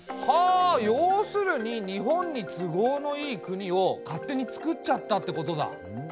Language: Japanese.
はあ要するに日本に都合のいい国を勝手につくっちゃったってことだ。